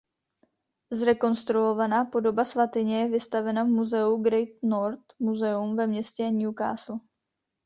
Zrekonstruovaná podoba svatyně je vystavena v muzeu Great North Museum ve městě Newcastle.